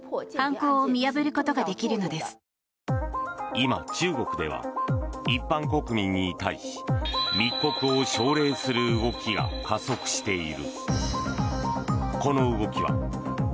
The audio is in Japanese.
今、中国では一般国民に対し密告を奨励する動きが加速している。